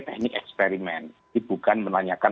teknik eksperimen ini bukan menanyakan